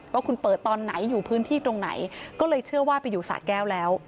ว่าคุณเปิดตอนไหนอยู่พื้นที่ตรงไหนก็เลยเชื่อว่าไปอยู่สะแก้วแล้ว